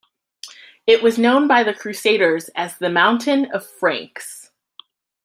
It was known by the Crusaders as the "Mountain of Franks".